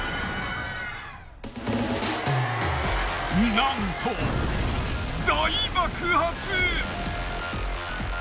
なんと大爆発！